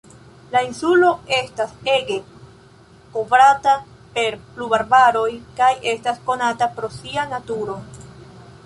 La insulo estas ege kovrata per pluvarbaroj kaj estas konata pro sia naturo.